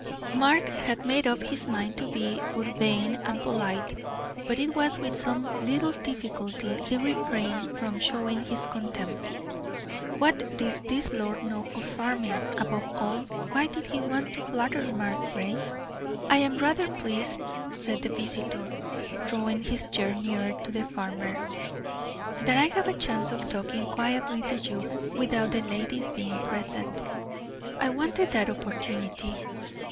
Mark had made up his mind to be urbane and polite, but it was with some little difficulty he refrained from showing his contempt. What did this lord know of farming. Above all, why did he want to flatter Mark Brace? "I am rather pleased," said the visitor, drawing his chair nearer to the farmer, "that I have a chance of talking quietly to you, without the ladies being present. I wanted that opportunity."